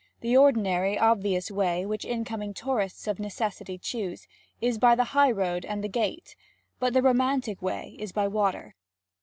The ordinary, obvious way, which incoming tourists of necessity choose, is by the high road and the gate. But the romantic way is by water.